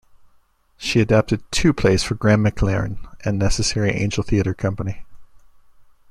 She adapted two plays for Graham McLaren and Necessary Angel Theatre Company.